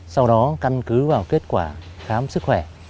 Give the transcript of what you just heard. sau đó căn cứ vào kết quả khám sức khỏe